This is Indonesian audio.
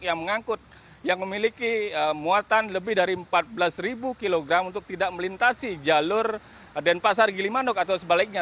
yang mengangkut yang memiliki muatan lebih dari empat belas kg untuk tidak melintasi jalur denpasar gilimanuk atau sebaliknya